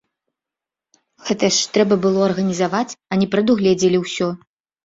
Гэта ж трэба было арганізаваць, а не прадугледзелі ўсё.